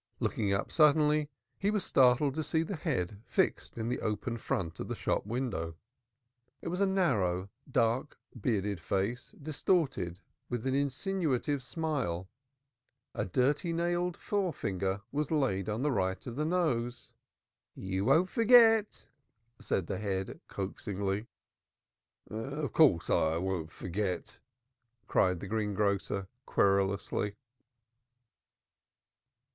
Looking up suddenly he was startled to see the head fixed in the open front of the shop window. It was a narrow dark bearded face distorted with an insinuative smile. A dirty nailed forefinger was laid on the right of the nose. "You won't forget," said the head coaxingly. "Of course I won't forget," cried the greengrocer querulously.